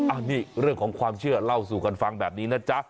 อันนี้เรื่องของความเชื่อเล่าสู่กันฟังแบบนี้นะจ๊ะ